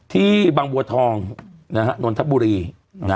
ที่บางบัวทองนนทบุรี